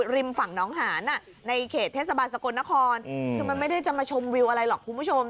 ฝั่งน้องหานในเขตเทศบาลสกลนครคือมันไม่ได้จะมาชมวิวอะไรหรอกคุณผู้ชม